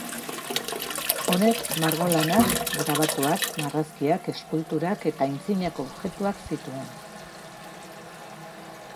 Honek margolanak, grabatuak, marrazkiak, eskulturak eta aitzinako objektuak zituen.